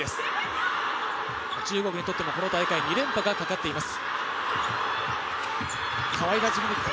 中国にとってもこの大会、２連覇がかかっています。